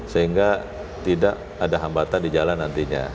sehingga tidak ada hambatan di jalan nantinya